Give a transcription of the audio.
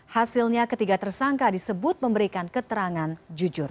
hasilnya ketiga tersangka disebut memberikan keterangan jujur